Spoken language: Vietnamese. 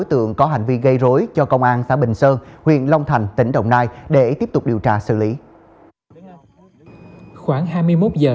tổng kinh nghiệp địa phương đã nhập lượng lớn clyker từ việt nam